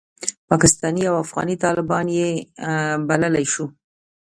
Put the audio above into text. پاکستاني او افغاني طالبان یې بللای شو.